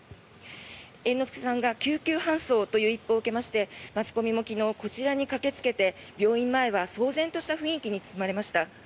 猿之助さんが救急搬送という一報を受けましてマスコミも昨日こちらに駆けつけて病院前は騒然とした雰囲気に包まれました。